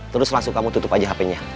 terus langsung kamu tutup aja hpnya